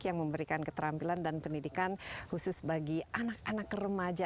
di mana mereka memiliki penyelidikan keterampilan dan pendidikan khusus bagi anak anak remaja